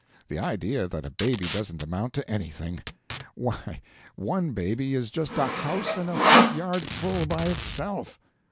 The idea that a baby doesn't amount to anything! Why, one baby is just a house and a front yard full by itself.